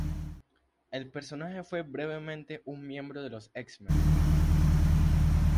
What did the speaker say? El personaje fue brevemente un miembro de los X-Men.